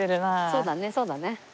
そうだねそうだね。